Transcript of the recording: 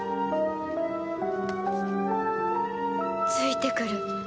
ついてくる